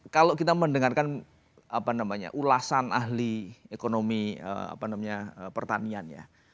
kalau kita mendengarkan ulasan ahli ekonomi pertanian ya